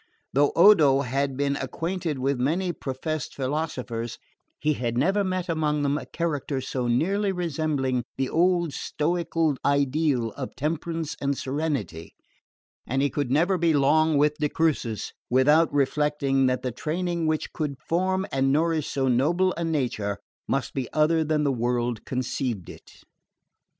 Though Odo had been acquainted with many professed philosophers he had never met among them a character so nearly resembling the old stoical ideal of temperance and serenity, and he could never be long with de Crucis without reflecting that the training which could form and nourish so noble a nature must be other than the world conceived it.